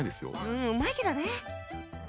うんうまいけどね。